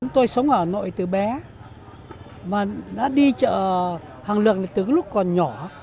tôi sống ở hà nội từ bé mà đã đi chợ hàng lược từ lúc còn nhỏ